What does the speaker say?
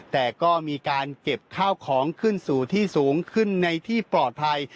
แต่ก็มีการเก็บข้าวของขึ้นสู่ที่สูงขึ้นในที่ปลอดภัย